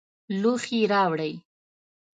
لوښي راوړئ